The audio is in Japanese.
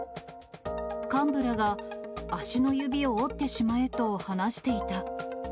幹部らが足の指を折ってしまえと話していた。